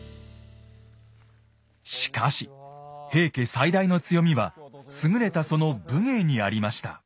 しかし平家最大の強みは優れたその武芸にありました。